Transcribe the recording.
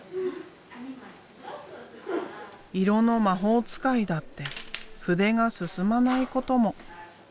色の魔法使いだって筆が進まないことも。